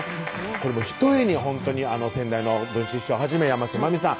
これもひとえにほんとに先代の文枝師匠はじめ山瀬まみさん